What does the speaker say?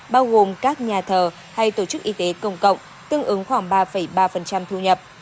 bao gồm các nhà thờ hay tổ chức y tế công cộng tương ứng khoảng ba ba thu nhập